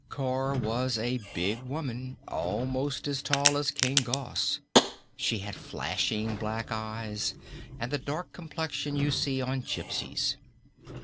Cor was a big woman, almost as tall as King Gos. She had flashing black eyes and the dark complexion you see on gypsies.